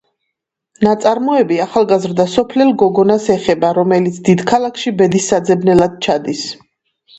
ნაწარმოები ახალგაზრდა სოფლელ გოგონას ეხება, რომელიც დიდ ქალაქში ბედის საძებნელად ჩადის.